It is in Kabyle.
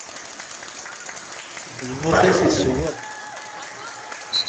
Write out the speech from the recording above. Lmex-is isewweq.